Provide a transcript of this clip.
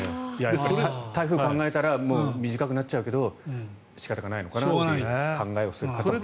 台風を考えたら短くなっちゃうけど仕方がないのかなという考え方をする方もいると。